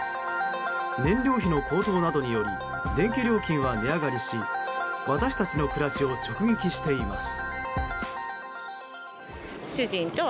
燃料費の高騰などにより電気料金は値上がりし私たちの暮らしを直撃しています。